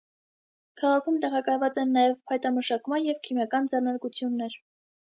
Քաղաքում տեղակայված են նաև փայտամշակման և քիմիական ձեռնարկություններ։